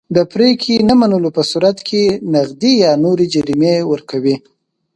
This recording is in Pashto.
د پرېکړې نه منلو په صورت کې نغدي یا نورې جریمې ورکوي.